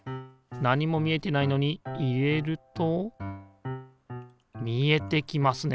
何も見えてないのに入れると見えてきますね。